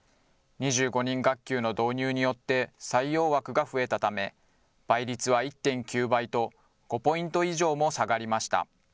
２５人学級の導入によって、採用枠が増えたため、倍率は１．９倍と、５ポイント以上も下がりました。